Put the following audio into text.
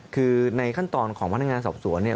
คือในขั้นตอนของพนักงานสอบสวนเนี่ย